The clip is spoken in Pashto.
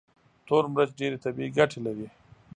تور مرچ ډېرې طبي ګټې لري.